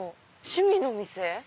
「趣味の店」。